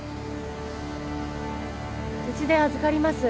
うちで預かります。